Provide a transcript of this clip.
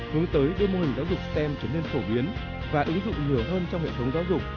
hướng tới đưa mô hình giáo dục stem trở nên phổ biến và ứng dụng nhiều hơn trong hệ thống giáo dục